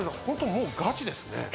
ホントもうガチですね。